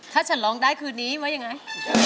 ถ้าฉันร้องได้คืนนี้ไว้ยังไง